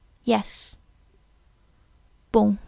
"Yes." "Bon!